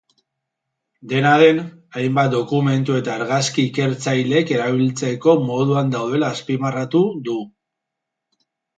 Dena den, hainbat dokumentu eta argazki ikertzaileek erabiltzeko moduan daudela azpimarratu du.